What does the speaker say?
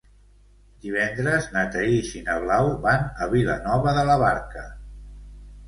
Divendres na Thaís i na Blau van a Vilanova de la Barca.